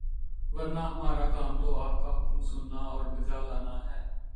ورنہ ہمارا کام تو آپ کا حکم سننا اور بجا لانا ہے۔